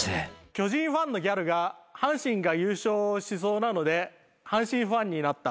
巨人ファンのギャルが阪神が優勝しそうなので阪神ファンになった。